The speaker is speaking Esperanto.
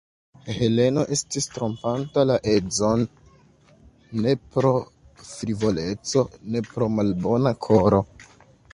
Heleno estis trompanta la edzon ne pro frivoleco, ne pro malbona koro.